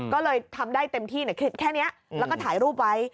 ก็เลยทำได้เต็มที่ในคลิปแค่นี้แล้วก็ถ่ายรูปไว้